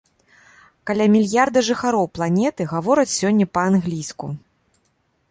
Каля мільярда жыхароў планеты гавораць сёння па-англійску!